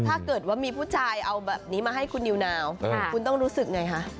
ถ้าเกิดว่ามีผู้ชายเอาแบบนี้มาให้คุณนิวนาวคุณต้องรู้สึกไงคะ